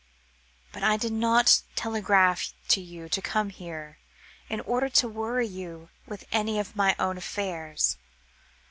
"But I did not telegraph to you to come here, in order to worry you with any of my own affairs.